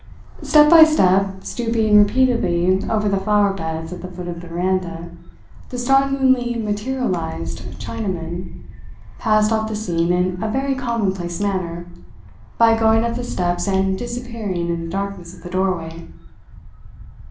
Step by step, stooping repeatedly over the flower beds at the foot of the veranda, the startlingly materialized Chinaman passed off the scene in a very commonplace manner, by going up the steps and disappearing in the darkness of the doorway.